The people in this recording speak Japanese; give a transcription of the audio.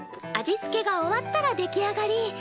味付けが終わったら出来上がり。